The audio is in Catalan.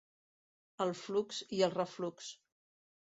El flux i el reflux.